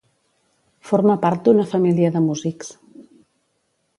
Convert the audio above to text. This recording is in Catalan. Forma part d'una família de músics.